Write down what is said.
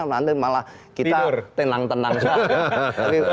nanti malah kita tenang tenang saja